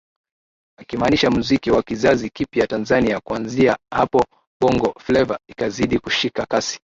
akimaanisha muziki wa kizazi kipya Tanzania Kuanzia hapo Bongo Fleva ikazidi kushika kasi